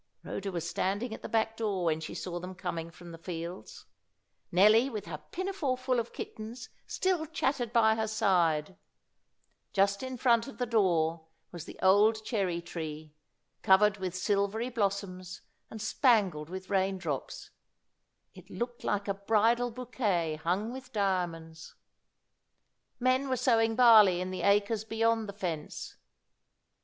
Rhoda was standing at the back door when she saw them coming from the fields. Nelly, with her pinafore full of kittens, still chattered by her side. Just in front of the door was the old cherry tree, covered with silvery blossoms and spangled with rain drops. It looked like a bridal bouquet hung with diamonds. Men were sowing barley in the acres beyond the fence.